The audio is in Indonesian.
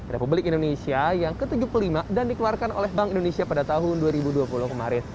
republik indonesia yang ke tujuh puluh lima dan dikeluarkan oleh bank indonesia pada tahun dua ribu dua puluh kemarin